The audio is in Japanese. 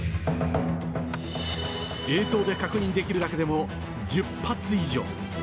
映像で確認できるだけでも、１０発以上。